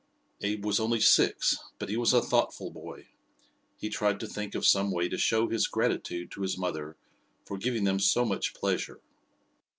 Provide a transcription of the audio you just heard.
Abe was only six, but he was a thoughtful boy. He tried to think of some way to show his gratitude to his mother for giving them so much pleasure.